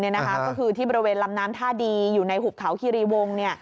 ก็คือที่บริเวณลำน้ำท่าดีอยู่ในหุบเขาคิรีวง